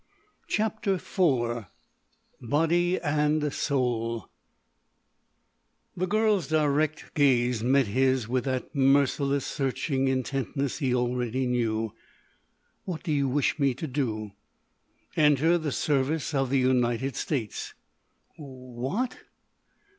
CHAPTER IV BODY AND SOUL The girl's direct gaze met his with that merciless searching intentness he already knew. "What do you wish me to do?" "Enter the service of the United States." "Wh what?"